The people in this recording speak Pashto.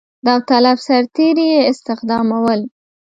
داوطلب سرتېري یې استخدامول.